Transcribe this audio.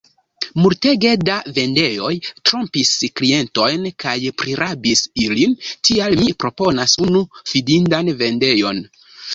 Multege da vendejoj trompis klientojn kaj prirabis ilin, tial mi proponas unu fidindan vendejon.